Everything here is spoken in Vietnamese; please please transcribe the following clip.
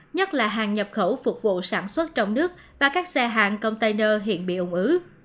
nhất là hàng nhập khẩu phục vụ sản xuất trong nước và các xe hàng container hiện bị ủng ứ